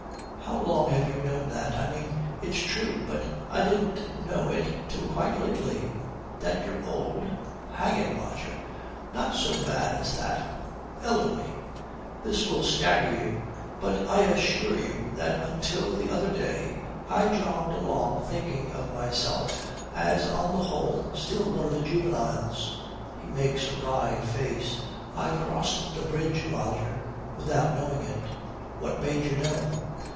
'How long have you known that? I mean, it's true but I didn't know it till quite lately.' 'That you're old?' 'Hang it, Roger, not so bad as that elderly. This will stagger you; but I assure you that until the other day I jogged along thinking of myself as on the whole still one of the juveniles.' He makes a wry face. 'I crossed the bridge, Roger, without knowing it.' 'What made you know?'